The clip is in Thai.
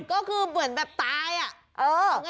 ก็คือเหมือนแบบตายอะ